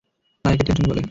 না, একে টেনশন বলে।